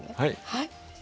はい。